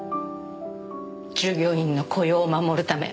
従業員の雇用を守るため。